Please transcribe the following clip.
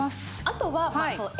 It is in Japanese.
あとは。